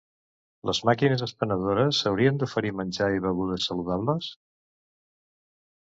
Les màquines expenedores haurien d'oferir menjar i begudes saludables.